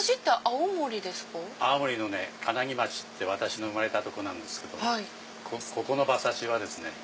青森の金木町って私の生まれたとこなんですけどここの馬刺しはですね